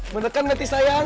bener kan meti sayang